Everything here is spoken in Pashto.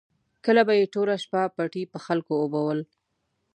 کله به یې ټوله شپه پټي په خلکو اوبول.